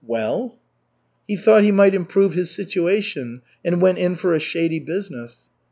"Well?" "He thought he might improve his situation and went in for a shady business."